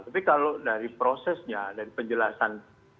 tapi kalau dari prosesnya dari penjelasan